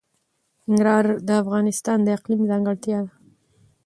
ننګرهار د افغانستان د اقلیم ځانګړتیا ده.